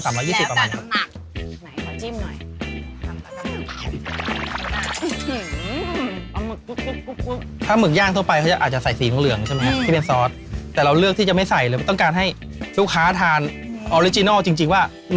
ตัวนี้ก็ฟิตไม่ได้เหมือนกันหอยเชลนนี่ถ้าวันนี้ขายไม่หมดผมต้องผัดให้ลูกน้องทาน